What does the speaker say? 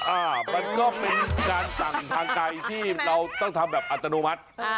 อ่ามันก็เป็นการสั่งทางไกลที่เราต้องทำแบบอัตโนมัติ